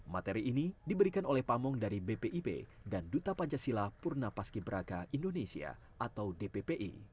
materi ini diberikan oleh pamong dari bpip dan duta pancasila purna paski beraka indonesia atau dppi